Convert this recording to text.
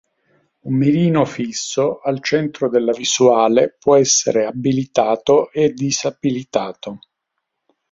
Un mirino fisso al centro della visuale può essere abilitato e disabilitato.